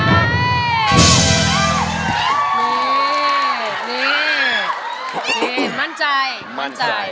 นี่นี่มั่นใจมั่นใจ